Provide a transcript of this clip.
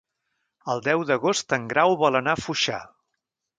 El deu d'agost en Grau vol anar a Foixà.